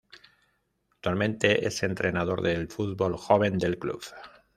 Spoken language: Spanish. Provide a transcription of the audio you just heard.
Actualmente es entrenador del Fútbol Joven del club.